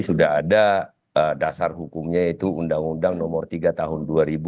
sudah ada dasar hukumnya yaitu undang undang nomor tiga tahun dua ribu dua